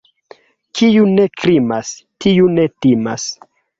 Kiu ne krimas, tiu ne timas.